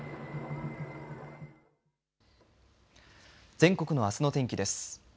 全国のあすの天気です。